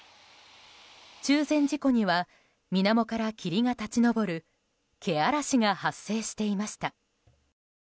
中禅寺湖には水面から霧が立ち上るけあらしが発生していました。